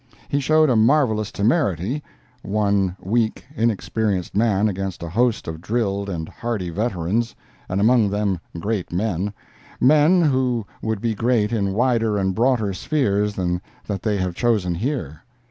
He showed a marvelous temerity—one weak, inexperienced man against a host of drilled and hardy veterans; and among them great men—men who would be great in wider and broader spheres than that they have chosen here.